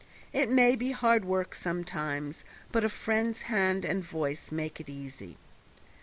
It may be hard work sometimes, but a friend's hand and voice make it easy.